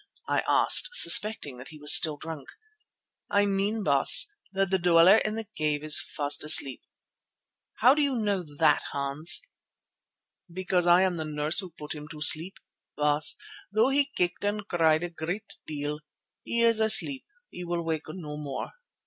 I asked, suspecting that he was still drunk. "I mean, Baas, that the Dweller in the cave is fast asleep." "How do you know that, Hans?" "Because I am the nurse who put him to sleep, Baas, though he kicked and cried a great deal. He is asleep; he will wake no more.